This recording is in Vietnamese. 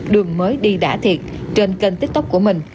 đường mới đi đã thiệt trên kênh tiktok của mình